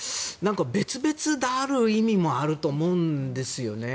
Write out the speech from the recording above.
別々である意味もあると思うんですよね。